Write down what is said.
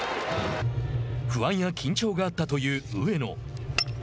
不安や緊張があったという上野。